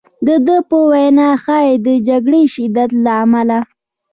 د ده په وینا ښایي د جګړې شدت له امله.